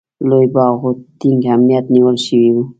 لوی باغ و، ټینګ امنیت نیول شوی و.